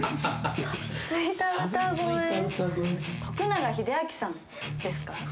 永明さんですか？